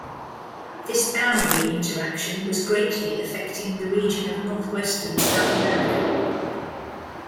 This boundary interaction was greatly affecting the region of northwestern South America.